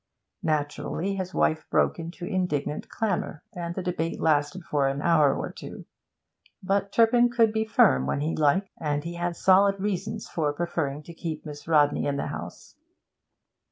Naturally, his wife broke into indignant clamour, and the debate lasted for an hour or two; but Turpin could be firm when he liked, and he had solid reasons for preferring to keep Miss Rodney in the house.